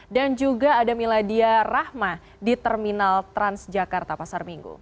dan juga ada miladia rahma di terminal transjakarta pasar minggu